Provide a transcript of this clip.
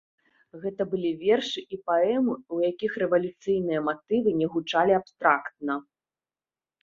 Гэта былі вершы і паэмы, у якіх рэвалюцыйныя матывы не гучалі абстрактна.